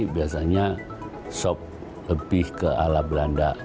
biasanya sop lebih ke ala belanda